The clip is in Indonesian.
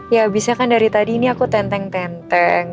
ya bisa kan dari tadi ini aku tenteng tenteng